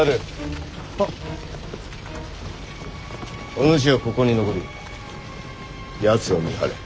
お主はここに残りやつを見張れ。